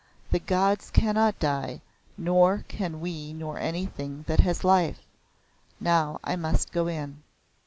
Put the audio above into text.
The gods cannot die, nor can we nor anything that has life. Now I must go in."